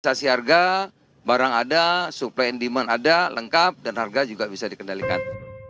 investasi harga barang ada supply and demand ada lengkap dan harga juga bisa dikendalikan